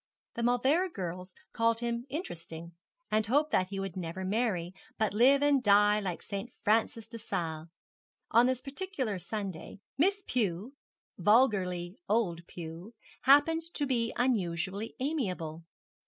The Mauleverer girls called him interesting, and hoped that he would never marry, but live and die like St. Francis de Sales. On this particular Sunday, Miss Pew vulgarly Old Pew happened to be unusually amiable.